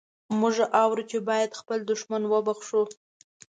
موږ اورو چې باید خپل دښمن وبخښو.